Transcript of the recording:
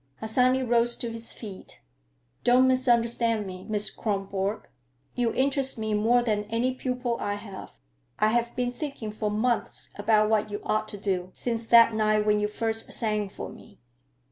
Harsanyi rose to his feet. "Don't misunderstand me, Miss Kronborg. You interest me more than any pupil I have. I have been thinking for months about what you ought to do, since that night when you first sang for me."